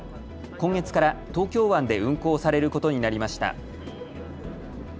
今月から東京湾で運航されることになりました。